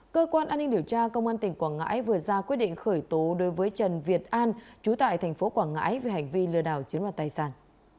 cơ quan an ninh điều tra công an tỉnh quảng ngãi vừa ra quyết định khởi tố đối với trần việt an chú tại thành phố quảng ngãi về hành vi lừa đảo chiếm đoạt tài sản